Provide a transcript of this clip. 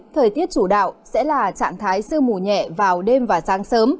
thời tiết chủ đạo sẽ là trạng thái sương mù nhẹ vào đêm và sáng sớm